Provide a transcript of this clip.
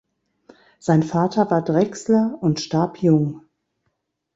Sein Vater war Drechsler und starb jung.